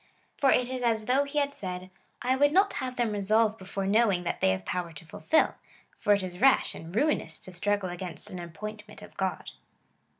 For it is as though he had said —" I would not have them resolve before knowing that they have power to fulfil, for it is rash and ruinous^ to struggle against an appointment of God."